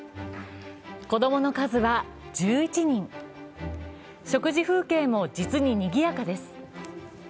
子供の数は１１人、食事風景も実ににぎやかです。